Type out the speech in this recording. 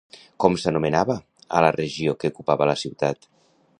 Com s'anomenava a la regió que ocupava la ciutat?